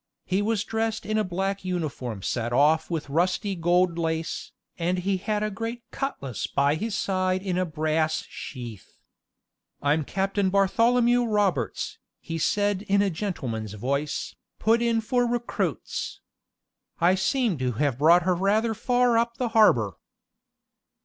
He was dressed in a black uniform set off with rusty gold lace, and he had a great cutlass by his side in a brass sheath. "I'm Captain Bartholomew Roberts," he said in a gentleman's voice, "put in for recruits. I seem to have brought her rather far up the harbor."